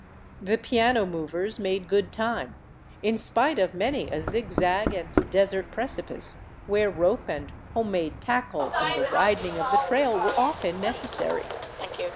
The piano movers made good time, in spite of many a zigzag and desert precipice, where rope and home made tackle and the widening of the trail were often necessary.